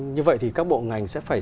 như vậy thì các bộ ngành sẽ phải